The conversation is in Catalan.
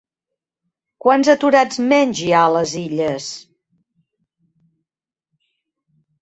Quants aturats menys hi ha a les Illes?